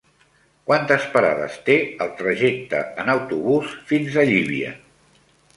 Quantes parades té el trajecte en autobús fins a Llívia?